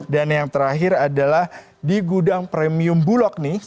dan yang terakhir adalah di gudang premium bulog nih rp sembilan